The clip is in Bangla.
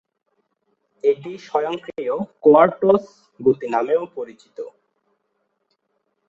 এটি স্বয়ংক্রিয়-কোয়ার্টজ গতি নামেও পরিচিত।